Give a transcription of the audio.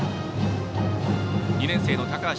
２年生の高橋煌稀